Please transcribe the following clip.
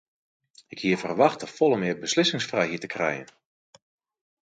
Ik hie ferwachte folle mear beslissingsfrijheid te krijen.